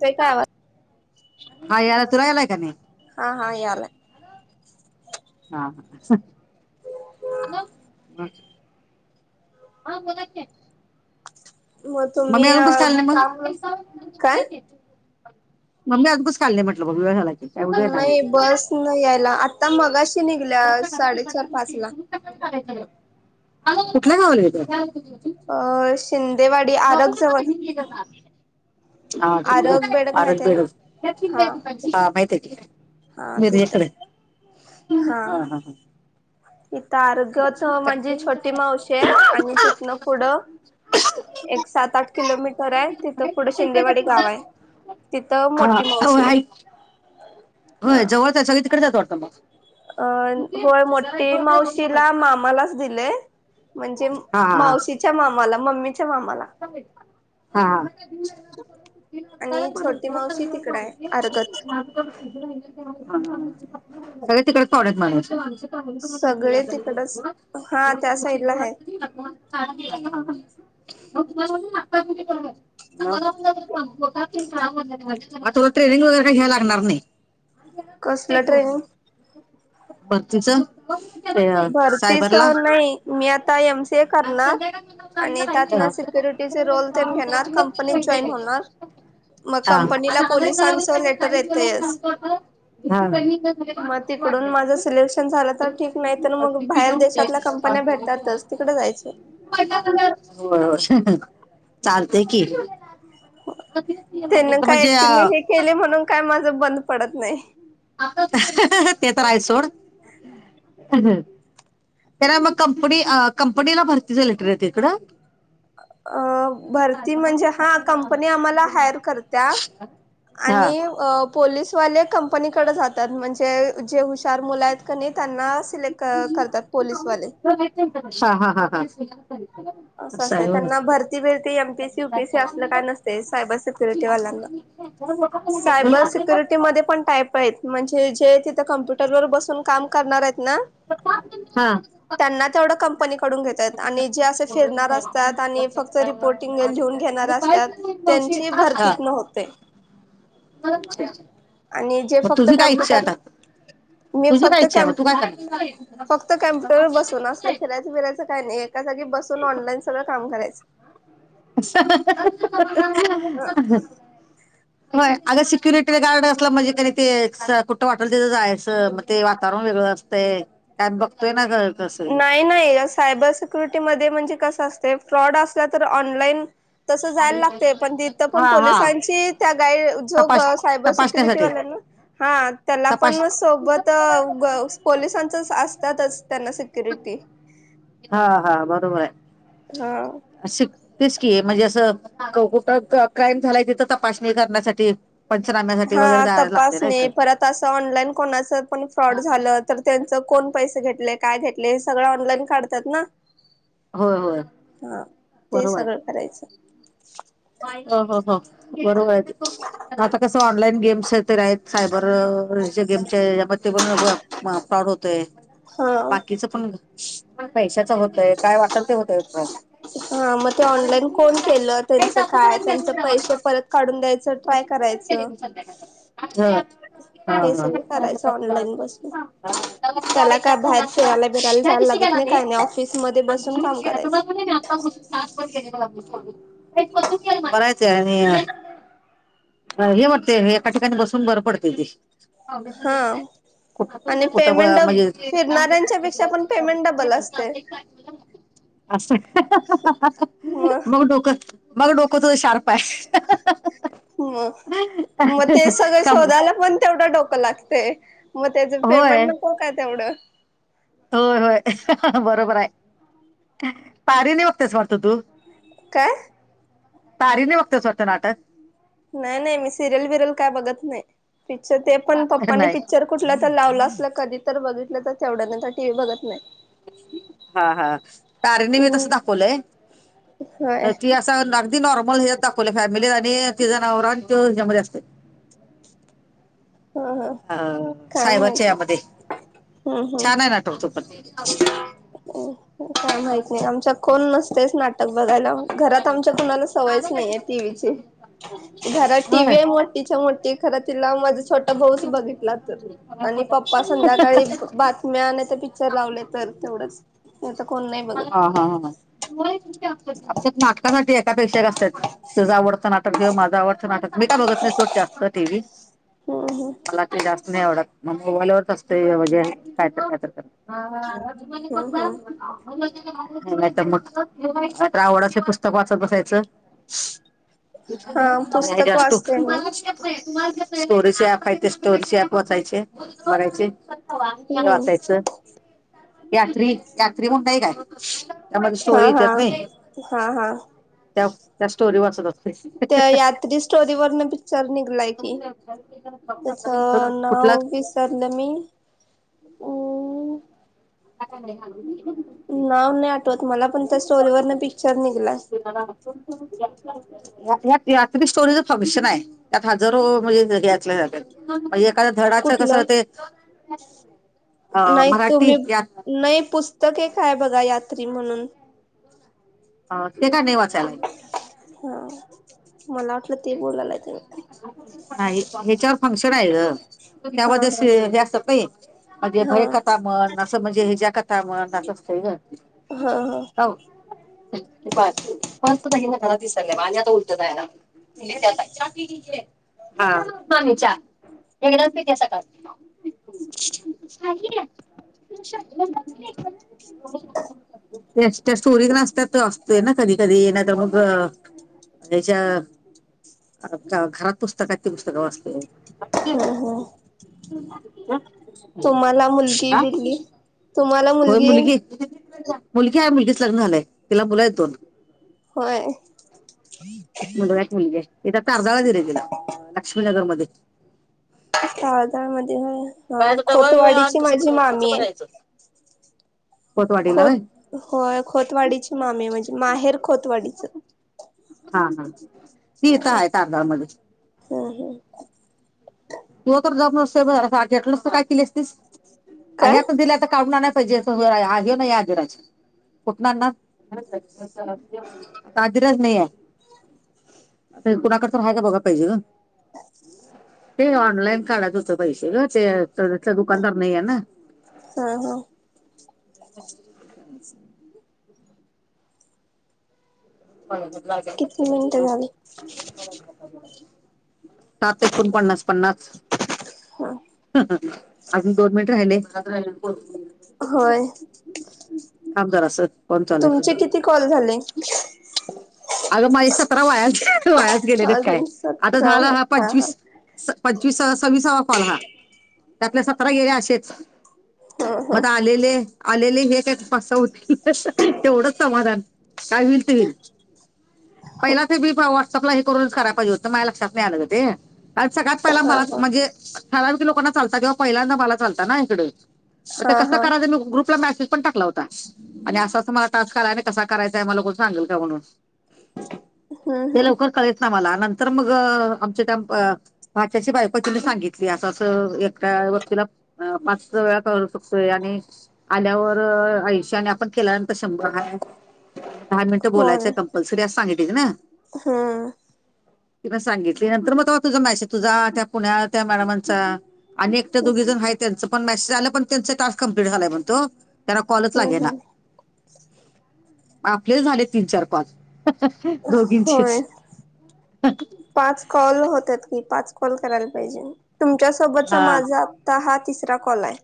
येतकाय आवाज हा याला तुला यलाय का नाही? हा -हा यालाय हा ह [inaudible] ह बोला की मग मम्मी तुम्ही अजून कस काय आली नाही मग- काम काय मम्मी अजुन कस काय आली नाही म्हटलं बघ वेळ झालाय. नाही [unintelligible] बस न यायला आता मगाशी निघल्या बघ स साडेचार पाच ला कुठल्या [inaudible] गावाला हायतेव अ -शिंदेवाडी बघू आरग की जवळ [unintelligible] हा आरग मिरज बेडग आरग माहिती आहे ना बेडग हा माहित हायकी हा ते तर हा -हा -हा इथ आरगत माझी छोटी मावशी आहे. आणि तिथनं पुढं एक सात आठ किलोमीटर आहे तिथंन पुढे शिंदेवाडी गाव आहे. तिथं हा हा मोठी होय मावशी आहे. हाय होय हा जवळच आहेत सगळी तिकडे जातवाटतता मग अं होय मोठी मावशीला मामालाच दिलेय म्हणजे हा हा हा मावशीच्या मामाला मम्मीच्या मामाला. हा.. [inaudible] [unintelligible] ह. आणि छोटी मावशी तिकड आहे अर्गत. तिकडेच थोडी माणूस सगळे तिकडच हा त्या साईडला आहे. [unintelligible] [unintelligible] [unintelligible] वैगेरे काय घ्याला लागणार नाही कसलं [unintelligible] ट्रेनिंग? बाकीच भरतीच सायबरला [inaudible] नाही मी आता एम सी ए करणार. आणि [unintelligible] त्यातन सिक्युरिटीचे रोल तेन हांगतो [unintelligible] घेणार कंपनीत जॉईन होणार. मग कंपनीला पोलिसांचं लेटर येतयच. भिती मग तिकडून वाटत्या माझं सिलेक्शन झालं तर ठीक नाही तर मग बाहेर देशातल्या कंपन्या भेटतातच तिकडे जायचं. बर. [unintelligible] बरं [inaudible] चालतय की. त्यांना काय म्हणजे एकटी अ हे केले म्हणून काय माझं बंद पडत नाही ते तरय सोड त्याला मग कंपनी कंपनीला भरतीच लेटर येत इकडं अ भरती म्हणजे हा कंपनी आम्हाला हायर करत्या हा आणि पोलीसवाले कंपनीकडे जातात म्हणजे जे हुशार मुलं आहेत कणी त्यांना सिलेक्ट करतात पोलीसवाले हा हा हा हा असं असं आहे त्यांना होय. भरती फिरती एमपीसी यूपीसी असलं काय नसते सायबर सिक्युरिटी वाला स्य म्हणे कम्प्युटर वर बसून काम करणार आहेत क हा. फिरणार असतात आणि फक्त रिपोर्टिंग लिहून घेणार असतात त्यांची हा. भरतीच नव्हते [inaudible] आणि जे मग फक्त तुझी काय इच्छा आहे कम्प्युटर आता? मी तुझी काय फक्त इच्छा आहे कम मग तू काय करणार? फक्त कम्प्युटरवर बसून असले फिरायचं फिरायचं काही नाही एकाग बसून ऑनलाईन सगळं काम करायच [unintelligible] [inaudible] ह होय अग सिक्युरिटी गार्ड असलं म्हणजे का ते कुठं वाटल तें जाय असं म ते वातावरण वेळ असते बघतोय ना का नाही नाही सायबर सिक्युरिटी म म्हणजे कस फ्रॉड असल्या तर ऑनलाईन तसं जायला लागते पण तिथं पण हा हा पोलिसांची त्या गाईड जो तपास सायबर सिक्युरिटी तपासण्यासाठी वाल्या ना हा त्याला पण तपास सोबत पोलिसांचच असतातच त्यांना सिक्युरिटी हा हा बरोबर आहे हा तेच कि आहे म्हणजे असं कुठं क्राईम झालाय तिथं तपासणी करण्यासाठी पंचनाम्यासाठी वगैरे हा जायला लागते ना तपासणे इथं परत असं ऑनलाईन कोणाच पण फ्रॉड झालं तर त्यांच कोण पैसे घेतले काय घेतले हे सगळं ऑनलाईन काढतात ना होय होय हा ते बरोबर सगळं करायचं हो बरोबर आहे आता कस ऑनलाईन गेम्स आहेत ते आहेत सायबर गेमचे यामध्ये ते पण फ्रॉड होतोय हा बाकीचं पण पैशाच होतय काय वाटत ते होतय त हा मग ते ऑनलाईन कोण केलं का त्यां पै परत काढून द्याय ट्राय करायच हा हे हा सगळ करायचं ऑनलाईन बसून हा त्याला का बाहेर फिरायला फिरायला जायला लागत काय नाही ऑफिसमध्ये बसून काम करायचं करायच हे बटते एका ठिकाणी बसून बरं पडते ती हा कु आणि कुठं पेमेंट म्हणजे फिरणाऱ्यांच्या पेक्षा पण पेमेंट डबल असते असं मग डोक मग डोकं तुझं शार्प पश ह मग ते सगळे का शोधायला पण तेवढं डोकं लागते मग त्याचं होय पेमेंट नको का तेवढं होय होय बरोबर आहे पारीने बघतेच मरतो तू काय तारीने बघतचवटतं नाटक नाही नाही मी सिरियल विरल काय बघत नाही पिक्चर ते पण नाटक पप्पाने नाही पिक्चर कुठ तर लावलं असल कधी तर बघितलं तर तेवढ्या नंतर टीव्ही बघत नाही हा हा पारीनी मी हम्म तसं दाखवलंय होय ह त अस लागते अदी [unintelligible] नॉर्मल हच्यात [unintelligible] दाखवले फॅमिली आणि ति जनावर आणि त हच्यामध्ये असते [inaudible] ह ह अ काय सायबरच्या माहिती यामध्ये हम् हम छान आहे नाटक तो पण काय माहित नाही आमच्या कोण नस च नाटक बघायला घरात आमच्या कुणाला सवयच नाहीये टीव्हीची घरात टीवी होय आहे मोठीच्या मोठी खर तिला मधे बच [unintelligible] बघितला तर आणि पप्पा संध्याकाळी बातम्याने ते पिक्चर लावले तर तेवढंच नाही तर कोण नाही हा बघत हा हा आमच्यात नाटकासाठी नाटपेक्षा जास्त असतात [unintelligible] तुझं आवडचं नाटक घेऊ माझं आवडचं नाटक मी काय बघत नाही सोड जास्त टीव्ही हम्म हम्म मलाते जास्त नाही आवडत मोबाइलवरच असतोय काय तर काय करत जीन कस हम्म हम्म [unintelligible] नाही तर मग आवडाचे पुस्तक वाचत बसायचं [inaudible] हा पुस्तक श्या वाचते मी [unintelligible] खायते स्टोन श पोचायचे भरायचे हम्म वाचायच यात्री यात्री म्हणताय काय त्या माझ हा स्टोरी हा येतेत नाही हा हा त्या त्या स्टोरी वाचतच त्या यात्री स्टोरी वरन पिक्चर निघलाय की त्याच कुठला नाव विसरलं मी अम् आमे हा [unintelligible] नाव नाही आठवत मला पण त्या स्टोरीवर न पिक्चर निघलाय ह [unintelligible] तत [unintelligible] स्टोरेज फंक्शन आहे त्यात हजारो म्हणजेल्या [unintelligible] जात्यात म्हणजे धडाच कस कुठलं ते अ नाही मराठी तुम्ही यात नाही पुस्तक ऐक हाय बगा यात्री म्हणून ते काय नाही वाटत हा मला ते बोलायलाय तुम्ही नाही फंक्शन आहे हा हा त्यामध्ये असत म्हणे [unintelligible] हा भय कथा म [inaudible] म्हणजे ह्या कथा म्हण असतंय ग हा हा पाच पाच नाही ना घरा दिसर आणि आता उलटं जाय ना [inaudible] त प [unintelligible] एकदाच नाही त्या सकाळ श [unintelligible] त्या त्या स्टोरीत नासतात असतोय ना कधी कधी ये ना तर मग हच्या आ घरात पुस्तकात त पुस्तक वाचते तुम्हाला मुलगी अ बिलगी [unintelligible] कोण मुलगी मुलगी आहे मुलगीच लग्न झालंय तिला मुल ह्यात दोन होय णजे [unintelligible] हित तारदाळ दिलय तिला लक्ष्मीनगर मध्ये तारदाळ मध्ये हा खोतवाडीची माझी मामी आहे [unintelligible] कोतवाडीला व्हय खोत होय खोतवाडीची मामीे म्हणजे माहेर खोतवाडीच हा हा ती हित तारदाळ मध्ये हो [unintelligible] तू तर जप नसजेटलस [unintelligible] तर [unintelligible] काय केली असतीस तेस काय [unintelligible] अ दिल्या तर काढून आण सजेसग [unintelligible] ना यादरा [unintelligible] कुटण आणणार तजराच [unintelligible] नाहीये आता कुणाकडच व्हाय का बघा पाहिजे ते ऑनलाईन काढत होतं पैसे ग ते त्या दुकानदार नाही आहे ना हा हा [unintelligible] किती मिनिटं झाली [inaudible] सात एकूण पन्नास पन्नास हा अग गोनमेंट राहिले होय आमदार अस पणचालेय तुमचे किती कॉल झाले अगं माझी सतरा वायास वायास गेलेलेत काय अजून आता सतरा झाला होय हा पंचवीस पंचवीस सव्वीसावा कॉल हा ते आपल्या सतरा गेले असेच हा मटलेले आलेले हे काही फसा होतील तेवढंच समाधान काय होईल ते होईल पहिला ते मी व्हॉट्सअपला हे करूनच कराय पाहिजे होत माझ्या लक्षात नाही आलं ते कारण सगळ्यात पहिला हा हा मला हा म्हणजे ठराविक लोकांना चालत किंवा पहिल्यांदा मला चालतात ना इकडे मग ते हा कं हा करायचं मी ग्रुपला मेसेज पण टाकला होता आणि अस अस मला टास्ला कसा करायचाय म को सांगेल का म्हणून हम्म ते हम्म लवकर कळेत ना मला नंतर मग आमच्या त्या भाच्याची बाईप तुनी सांगितली अस अस एक व पाच वेळा करू शतोय आणि आल्यावर आयुष्य आणि आपण केल्यानंतर श ह दहा मिनिटं होय बोलायचंय कं्पल्सरी अस सांगितित ना हम्म ती म सांगितली नंतर मग तुझा मॅसेज तुझा त्या पुण्या त्या मॅडमांचा आणि एक तर दोघी जण आहेत त्यांचं पण मॅसेज आलं पण त्यांचं टास्क कं्प्लट झालंय म्हणतो त्याला कॉलच हम्म लागेल ना हम्म आपलेच झाले तीन चार पाच होय रोगचीच पाच कॉल होतात की पाच कॉल करायला पाहिजे तुमच्यासोबतचा हा माझा आता हा तिसरा कॉल आहे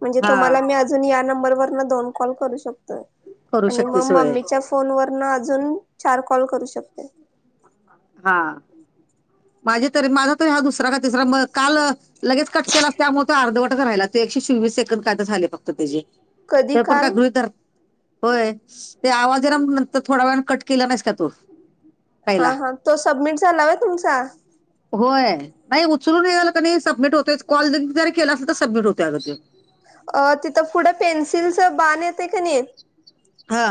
म्हणजे हा तुम्हाला मी अजून या नंबरवर न दोन कॉल करू शकतो करू आणि मग शकतेस होय मम्मीच्या फोन वरन अजून चार कॉल करू शकते हा माझे त माझा तर हा दुसरा का तिसरा काल लगेच कट केलाच त्यामुळे तो अर्धवट राहिला एकशे चोवीस सेकड काय तर झाले फक्त त्याचे कधी तर पण काल काय घृ तर होय ते आवाजला नंतर थोडा वेळ कट केला नाहीस का तू हा पहिला हा तो सबमिट झाला व तुमचा होय नाही उचलूनलं क सबमिट होत कॉल जर केला असेल तर सबमिट होते अगदी अ तिथं पुढं पेन्सिलस बाण येते का नाही हा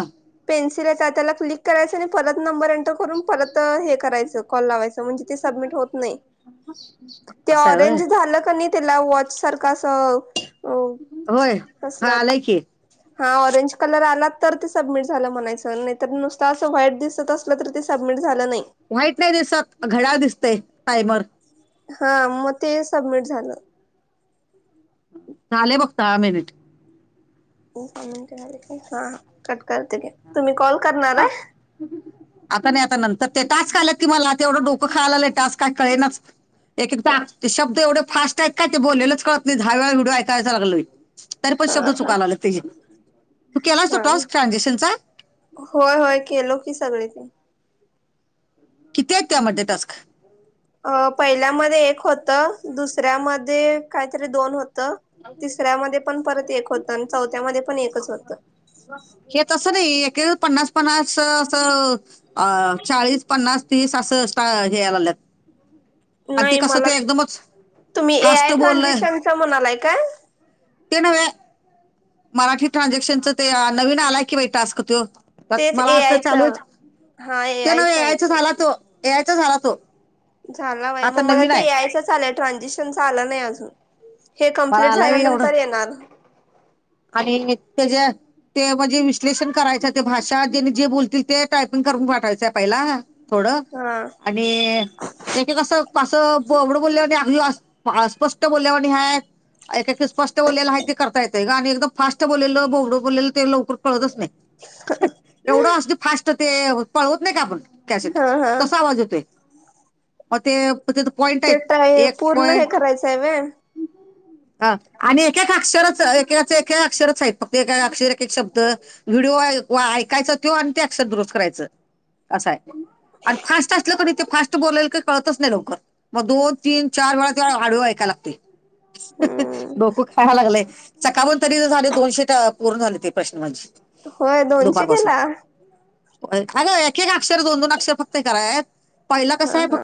पेन्सिलचा त्याला क्लिक करायचं आणि परत नंबर एंटर करून परत हे करायचं कॉल लावायचं ते सबमिट होत नाही असं आहे होय ऑरेंज झालं की नाही त्याला वॉच सारखा असं होय हा कसलं आलाय की हा ऑरेंज कलर आला तर सबमिट झाला म्हणायच नुसत असं वाईट दिसत अस सबमिट झालं नाही. वाईट नाही दिसत घड्याळ दिसतेय टायमर हा मग ते सबमिट झालं चाले बघतहा मिनिट मि झा हा कट करते घ तुम्ही कॉल करणार हा आहे? आता नाही आता नंतर ते टास्क आले मला एवढं डोकं खायलाट काय कळेलच एक एकदा ते शब्द एवढे फास्ट आहेत काय ते बोललेलंच कळत नाही हहा वळा व्हिडिओ ऐकायचा लागलोयरी पण हा शब्द हा चुकायला लागलेत ते तू केला अस हा टॉस् ट्रानझेशनस होय होय केलो की सगळे ते किती्या त्या मरज टस्क अ पहिल्यामध्ये एक होतं दुसऱ्यामध्ये काहीतरी दोन होत नाही होतं आणि चौथ्यामध्ये पण एकच होतं. हे तसं नाही एक पन्नास पन्नास असं अ चाळीस पन्नास तीस असं हेयला लात आणि ते नाही कसं मला ते एकदमच तुम्ही ए फास्ट आय बोललय ट्रान्झेक्शनच म्हणालाय काय? ते नवा मराठी ट्रानझॅक्शनच ते नवीन आलाय कि बाईटस्क तो तेच मला ए आ आयच चालूच हा ए तो नव आयच आहे यायचा ते. झाला तो यायचा झाला तो झाला बाय आता मग मला नवीन ते आहे एआयचच आलंय ट्रान्झेक्शन आलं नाही अजून हे मला कम्प्लीट आलाय बे एवढं झाल्यानंतर येणार आणि म त्याच्या ते म्हणजे विश्लेषण करायचं ते भाषा जेने जे बोलतील ते टायपिंग करून पाठवायचं आहे पहिला थोडं हा आणि एके कस पासवडं बोलले अस्पष्ट बोलल्या आणि ह एक स्पष्ट बोललेला आहे ते करता येत ग आणि फास्ट बोललेलं बोडं बलेलं ते लवकर कळतच नाही एवढं अस फास्ट तर ते पळवत नाही का आपण कॅसेट हा हा तसा आवाज यतोय मग ते त्यात पॉइंट ते आहेत टाय एक पूर्ण हे पॉइंट करायचंय व्हय. ह आणि एकेका अक्षरच एककाच अक्षरच आहेत फक्त अक्षर एक शब्द व्हिडिओ ऐकायच तो आणि ते अक्षर दुरुस् करायचं असं आहे आणि फास्ट असलं कोणी ते फास्ट बोलले काही कळतच नाही लवकर मग दोन तीन चार वेळा ते हाडू ऐकाय लागते हम्म डोकू खाय लागले चका म्हण तरी साडे दोनशे पूर्ण झाले ते प्रश्न म्हणजे होय दोनशे केला अरे एक एक अक्षर दोन दोन अक्षर फक्त करात पहिला कसं हा आहे फक्त हा.